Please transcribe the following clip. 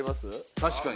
確かに。